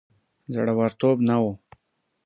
زړه ورتوب نه وو.